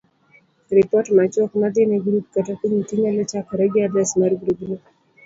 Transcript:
Ripot machuok madhine grup kata komiti nyalo chakore gi adres mar grubno.